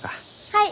はい！